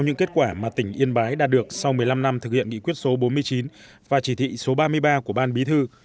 những kết quả mà tỉnh yên bái đã được sau một mươi năm năm thực hiện nghị quyết số bốn mươi chín và chỉ thị số ba mươi ba của ban bí thư